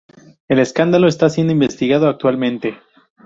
El escándalo está siendo investigado actualmente.